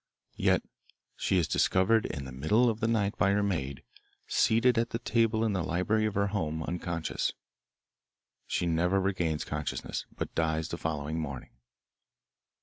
Yet she is discovered in the middle of the night by her maid, seated at the table in the library of her home, unconscious. She never regains consciousness, but dies the following morning.